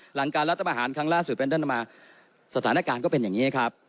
หลังการรัฐประหารครั้งล่าสุดเป็นต้นมาสถานการณ์ก็เป็นอย่างนี้ครับ